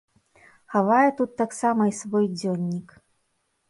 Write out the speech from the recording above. Хавае тут таксама і свой дзённік.